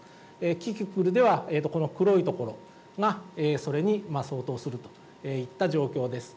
キキクルではこの黒い所がそれに相当するといった状況です。